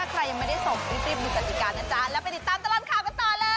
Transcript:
ไปต้องตามอับดุลใครก็รึ